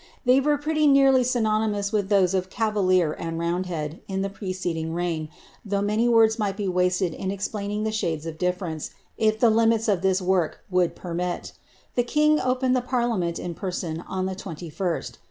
« pretty nearly synonymous to those of cavalier and round he preceding reign, though many words might be wasted in [ the shades of difiference, if the limits of this work would per 3 king opened the parliament in person on the 21st.